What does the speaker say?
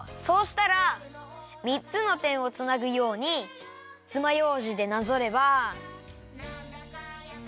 そうしたらみっつのてんをつなぐようにつまようじでなぞれば。